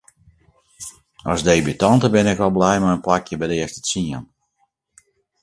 As debutante bin ik al bliid mei in plakje by de earste tsien.